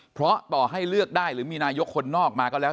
เพราะต่อให้เลือกได้หรือมีนายกคนนอกมาก็แล้ว